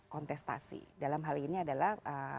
kontestasi dalam hal ini adalah